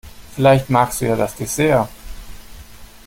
Vielleicht magst du ja das Dessert?